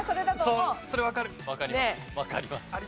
それわかります。